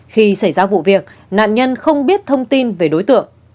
khi xảy ra vụ việc nạn nhân không biết thông tin về đối tượng